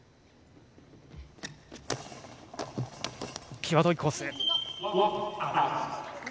際どいコース。